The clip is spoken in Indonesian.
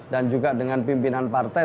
dan juga dengan pimpinan partai